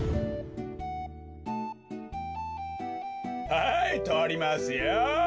はいとりますよ。